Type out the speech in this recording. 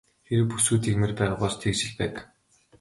Хэрэв бүсгүй тэгмээр байгаа бол тэгж л байг.